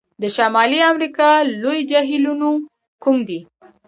د شمالي امریکا لوی جهیلونو کوم دي؟